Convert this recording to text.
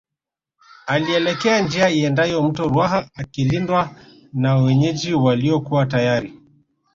Alielekea njia iendayo mto Ruaha akilindwa na wenyeji waliokuwa tayari